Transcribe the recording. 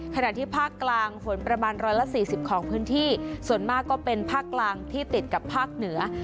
ขณะที่ภาคกลางฝนประมาณ๑๔๐ของพื้นที่ส่วนมากก็เป็นภาคกลางที่ติดกับภาคเหนือ